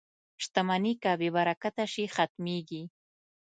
• شتمني که بې برکته شي، ختمېږي.